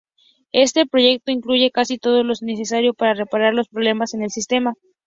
Este proyecto incluye casi todo lo necesario para reparar los problemas en el sistema.